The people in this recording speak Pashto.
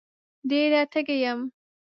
ډېره تږې یم